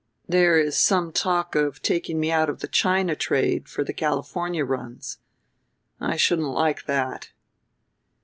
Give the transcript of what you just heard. "There is some talk of taking me out of the China trade for the California runs. I shouldn't like that."